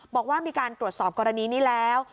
บอกว่ามีการตรวจสอบกรณีนี้แล้ว